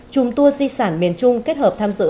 chùm tour di sản miền trung kết hợp tham dự